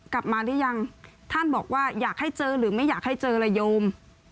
หรือยังท่านบอกว่าอยากให้เจอหรือไม่อยากให้เจอละโยม